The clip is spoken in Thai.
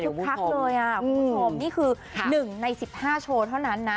พักเลยคุณผู้ชมนี่คือ๑ใน๑๕โชว์เท่านั้นนะ